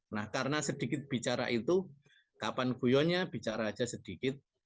nah karena sedikit bicara itu kapan guyonnya bicara aja sedikit